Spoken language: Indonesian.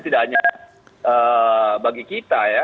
tidak hanya bagi kita ya